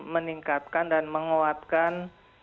meningkatkan dan menguatkan